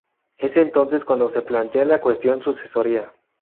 Es entonces cuando se plantea la cuestión sucesoria.